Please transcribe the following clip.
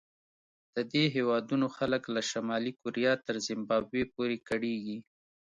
د دې هېوادونو خلک له شمالي کوریا تر زیمبابوې پورې کړېږي.